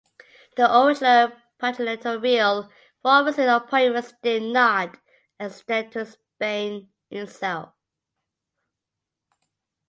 The original Patronato Real for overseas appointments did not extend to Spain itself.